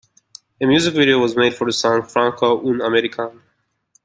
A music video was made for the song, "Franco Un-American".